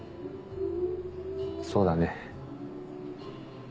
そうだね。